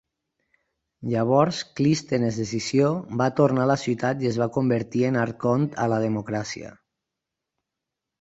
Llavors Clístenes de Sició va tornar a la ciutat i es va convertir en arcont a la democràcia.